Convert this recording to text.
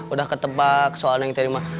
udah ketebak soal neng teri mah